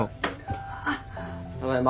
ただいま。